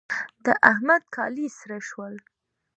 د احمد کالي سره شول.